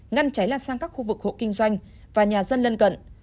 ngăn cháy lan sang các khu vực hộ kinh doanh và nhà dân lân cận